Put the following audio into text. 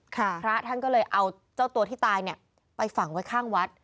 พระท่านก็เลยเอาเจ้าตัวที่ตายเนี่ยไปฝังไว้ข้างวัด